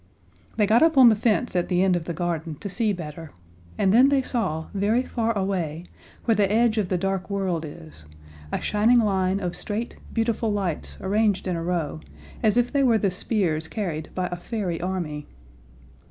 They got up on the fence at the end of the garden to see better; and then they saw, very far away, where the edge of the dark world is, a shining line of straight, beautiful lights arranged in a row, as if they were the spears carried by a fairy army.